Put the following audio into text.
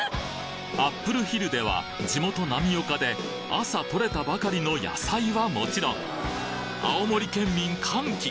アップルヒルでは地元浪岡で朝採れたばかりの野菜はもちろん青森県民歓喜！